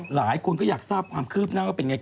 หลายคนก็อยากทราบความคืบหน้าว่าเป็นไง